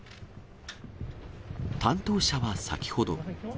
担当者は先ほど。